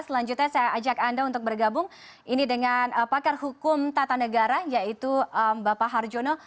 selanjutnya saya ajak anda untuk bergabung ini dengan pakar hukum tata negara yaitu bapak harjono